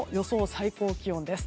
最高気温です。